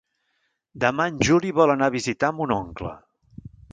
Demà en Juli vol anar a visitar mon oncle.